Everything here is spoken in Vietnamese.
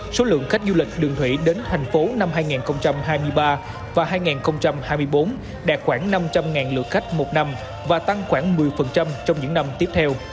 số lượng khách du lịch đường thủy đến thành phố năm hai nghìn hai mươi ba và hai nghìn hai mươi bốn đạt khoảng năm trăm linh lượt khách một năm và tăng khoảng một mươi trong những năm tiếp theo